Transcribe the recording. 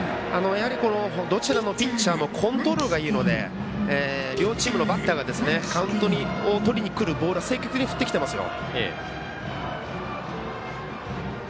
どちらのピッチャーもコントロールがいいので両チームのバッターがカウントをとりにくるボールは積極的に振ってきてますよ。